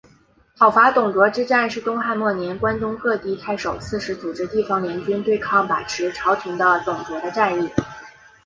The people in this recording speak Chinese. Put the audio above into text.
讨伐董卓之战是东汉末年关东各地太守刺史组织地方联军对抗把持朝廷的董卓的战役。